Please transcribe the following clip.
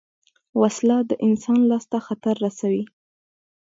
وسله د انسان لاس ته خطر رسوي